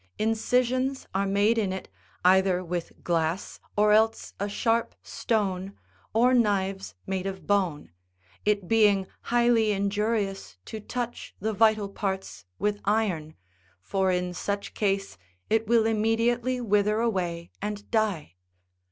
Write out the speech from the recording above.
Incisions are made in it either with glass, or else a sharp stone, or knives made of bone : it being highly injurious to touch the vital parts with iron, for in such case it will immediately wither away and die.